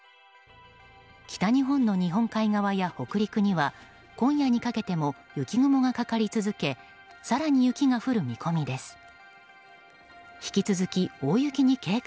北日本の日本海側や北陸には今夜にかけても雪雲がかかり続け更に雪が降る見込みです。